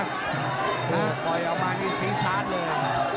โหปล่อยเอามานี่สีชาติเลย